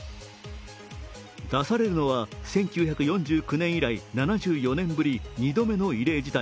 出されるのは１９４９年以来７９年ぶり２度目の異例事態。